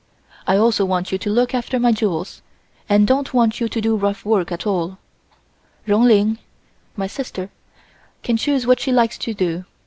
I also want you to look after my jewels and don't want you to do rough work at all. Roon Ling (my sister) can choose what she likes to do.